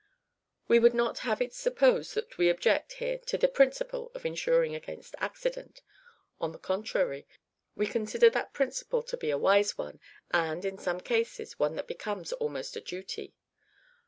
We would not have it supposed that we object, here, to the principle of insuring against accident. On the contrary, we consider that principle to be a wise one, and, in some cases, one that becomes almost a duty.